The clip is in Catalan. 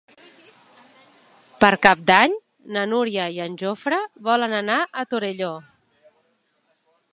Per Cap d'Any na Núria i en Jofre volen anar a Torelló.